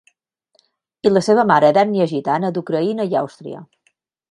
I la seva mare d'ètnia gitana d'Ucraïna i Àustria.